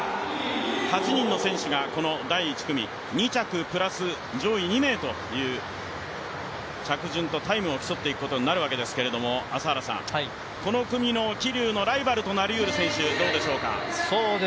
８人の選手が第１組、２着プラス上位２名という着順とタイムを競っていくことになるわけですけど、この組の桐生のライバルとなりうる選手、どうでしょうか。